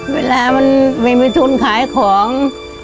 เวลามันไม่มีทุนขายของ